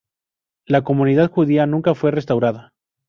La comunidad judía nunca fue restaurada.